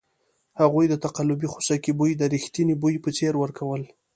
هغوی د تقلبي خوسکي بوی د ریښتني بوی په څېر ورکول.